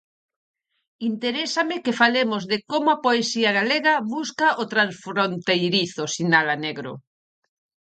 "Interésame que falemos de como a poesía galega busca o transfronteirizo", sinala Negro.